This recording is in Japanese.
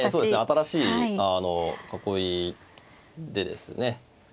新しい囲いでですね